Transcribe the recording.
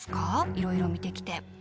いろいろ見てきて。